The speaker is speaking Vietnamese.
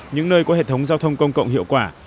những nơi có hệ thống giao thông công cộng hiệu quả